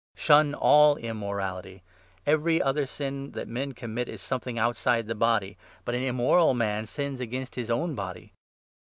Shun all immorality. 18 Every other sin that men commit is something outside the body ; but an immoral man sins against his own body.